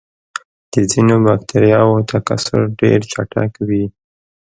د ځینو بکټریاوو تکثر ډېر چټک وي.